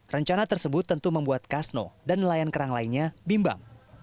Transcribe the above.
rencana tersebut tentu membuat kasno dan nelayan kerang lainnya bimbang